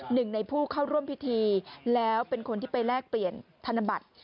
หนึ่งในผู้เข้าร่วมพิธีแล้วเป็นคนที่ไปแลกเปลี่ยนธนบัตร